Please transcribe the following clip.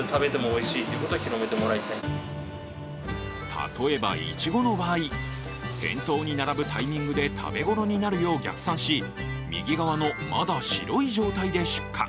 例えばいちごの場合、店頭に並ぶタイミングで食べ頃になるよう逆算し、右側のまだ白い状態で出荷。